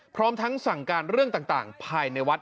พร้อมทั้งสั่งการเรื่องต่างภายในวัด